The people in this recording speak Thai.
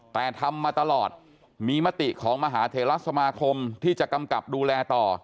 แต่ทำมาตลอดมีมติของมหาเทราสมาคมที่จะกำกับดูแลต่อ